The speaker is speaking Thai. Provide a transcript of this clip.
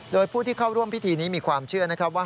โดยผู้ที่เข้าร่วมพิธีนี้มีความเชื่อนะครับว่า